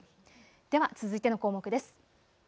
では続いての項目です。